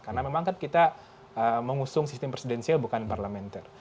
karena memang kan kita mengusung sistem presidensial bukan parlamenter